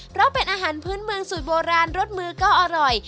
เพราะเป็นอาหารพื้นเมืองสูตรโบราณรสมือก็อร่อย